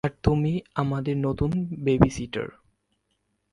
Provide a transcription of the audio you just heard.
আর তুমি আমাদের নতুন বেবিসিটার।